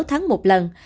sáu tháng một lần